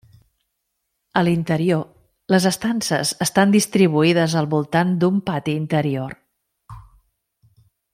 A l'interior les estances estan distribuïdes al voltant d'un pati interior.